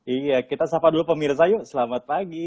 iya kita sapa dulu pemirsa yuk selamat pagi